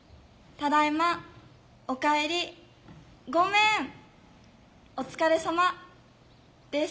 「ただいま」「おかえり」「ごめん」「お疲れさま」です。